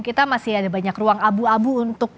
kita masih ada banyak ruang abu abu untuk